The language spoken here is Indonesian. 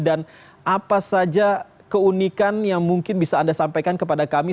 dan apa saja keunikan yang mungkin bisa anda sampaikan kepada kami